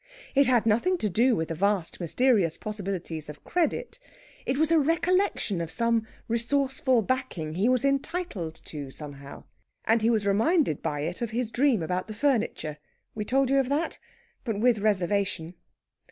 It had nothing to do with the vast mysterious possibilities of credit. It was a recollection of some resourceful backing he was entitled to, somehow; and he was reminded by it of his dream about the furniture (we told you of that?) but with a reservation.